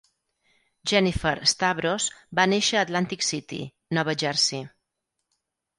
Jennifer Stavros va néixer a Atlantic City (Nova Jersey).